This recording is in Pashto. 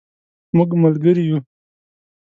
مونږ ملګری یو